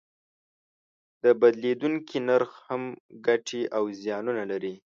د بدلیدونکي نرخ هم ګټې او زیانونه لري.